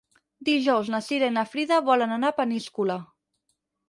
Dijous na Cira i na Frida volen anar a Peníscola.